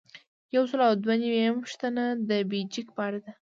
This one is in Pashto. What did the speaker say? یو سل او دوه نوي یمه پوښتنه د بیجک په اړه ده.